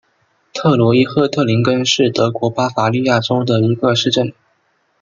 特罗伊赫特林根是德国巴伐利亚州的一个市镇。